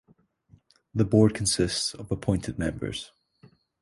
The Board consists of appointed members.